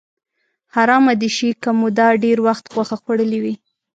حرامه دې شي که به مو دا ډېر وخت غوښه خوړلې وي.